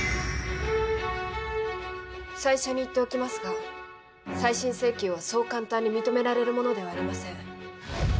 最初に言っておきますが再審請求はそう簡単に認められるものではありません。